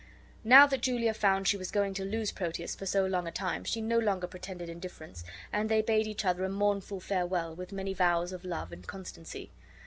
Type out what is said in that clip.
Now that Julia found she was going to lose Proteus for so long a time she no longer pretended indifference; and they bade each other a mournful farewell, with many vows of love and constancy.